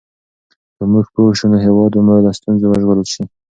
که موږ پوه شو نو هېواد به مو له ستونزو وژغورل شي.